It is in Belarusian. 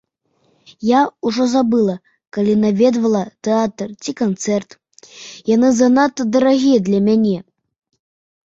Я ўжо забыла, калі наведвала тэатр ці канцэрт, яны занадта дарагія для мяне.